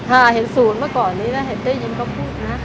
ค่ะเห็นศูนย์เมื่อก่อนนี้นะเห็นได้ยินเขาพูดนะ